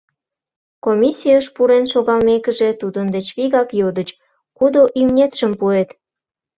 Комиссийыш пурен шогалмекыже, тудын деч вигак йодыч: — Кудо имнетшым пуэт?